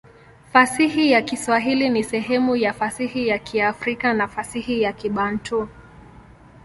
Fasihi ya Kiswahili ni sehemu ya fasihi ya Kiafrika na fasihi ya Kibantu.